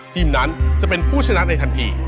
ทีมนั้นจะเป็นผู้ชนะในทันที